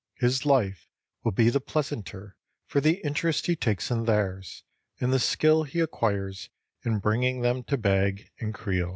His life will be the pleasanter for the interest he takes in theirs, and the skill he acquires in bringing them to bag and creel.